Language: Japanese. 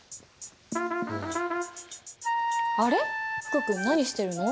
福君何してるの？